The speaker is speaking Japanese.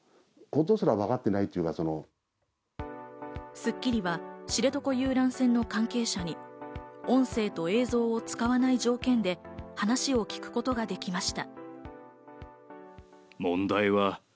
『スッキリ』は知床遊覧船の関係者に音声と映像を使わない条件で話を聞くことができました。